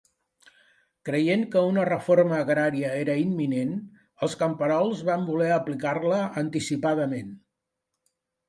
Creient que una reforma agrària era imminent, els camperols van voler aplicar-la anticipadament.